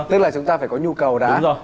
tức là chúng ta phải có nhu cầu đã